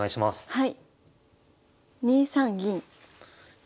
はい。